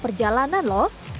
tema perjalanan lho